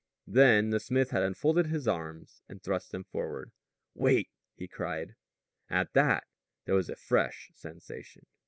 Then the smith had unfolded his arms, thrust them forward. "Wait," he cried. At that there was a fresh sensation.